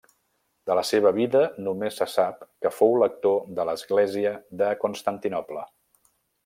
De la seva vida només se sap que fou lector de l'església de Constantinoble.